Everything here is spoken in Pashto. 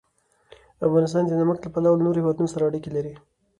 افغانستان د نمک له پلوه له نورو هېوادونو سره اړیکې لري.